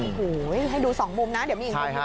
โอ้โหให้ดูสองมุมนะเดี๋ยวมีอีกมุม